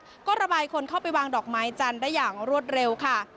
แล้วก็ระบายคนเข้าไปวางดอกไม้จันทร์ได้อย่างรวดเร็วค่ะ